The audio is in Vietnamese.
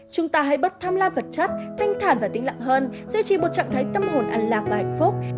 chúng ta hãy bớt tham la vật chất thanh thản và tĩnh lặng hơn giữ chỉ một trạng thái tâm hồn ẩn lạc và hạnh phúc